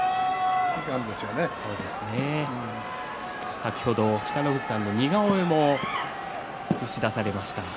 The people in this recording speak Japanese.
先ほど、北の富士さんの似顔絵も映し出されました。